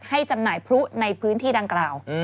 จำหน่ายพลุในพื้นที่ดังกล่าว